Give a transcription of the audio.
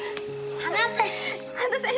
離せ！